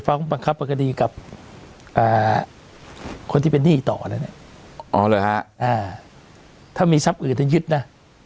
ฟังปังคับปรากฏีกับคนที่เป็นหนี้ต่อแล้วเนี้ยอ๋อหรือฮะอ่าถ้ามีทรัพย์อื่นยึดน่ะ